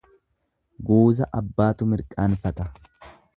Guuza abbaatu mirqaanfata.